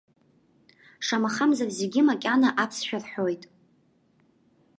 Шамахамзар зегьы макьана аԥсшәа рҳәоит.